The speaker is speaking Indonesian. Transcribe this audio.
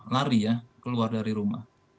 lari keluar dari rumah